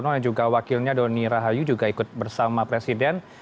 dan juga wakilnya doni rahayu juga ikut bersama presiden